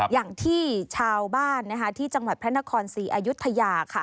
อย่างที่ชาวบ้านที่จังหวัดพระนครศรีอายุทยา